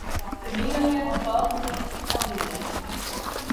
Ferwiderje folgjende alinea.